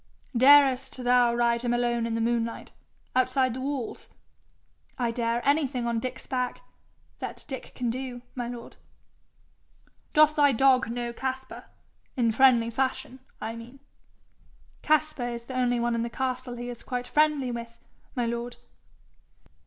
'Darest thou ride him alone in the moonlight outside the walls.' 'I dare anything on Dick's back that Dick can do, my lord.' 'Doth thy dog know Caspar in friendly fashion, I mean?' 'Caspar is the only one in the castle he is quite friendly with, my lord.'